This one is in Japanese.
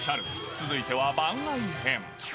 続いては番外編。